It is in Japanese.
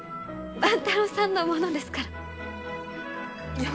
万太郎さんのものですから。